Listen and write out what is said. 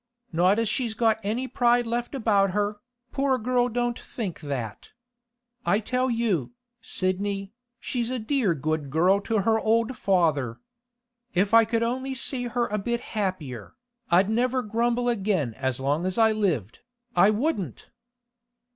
Not as she's got any pride left about her, poor girl don't think that. I tell you, Sidney, she's a dear good girl to her old father. If I could only see her a bit happier, I'd never grumble again as long as I lived, I wouldn't!